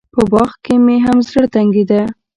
په باغ کښې مې هم زړه تنګېده.